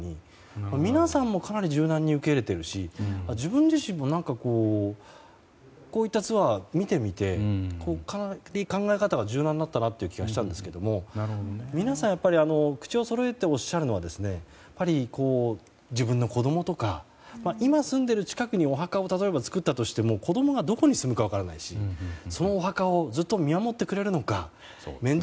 皆さんもかなり柔軟に受け入れているし自分自身もこういったツアーを見てみてかなり考え方が柔軟になったなと思ったんですけど皆さんやっぱり口をそろえておっしゃるのはやっぱり自分の子供とか今住んでる近くにお墓を例えば作ったとしても子供がどこに住むか分からないし、そのお墓をずっと見守ってくれるのか面倒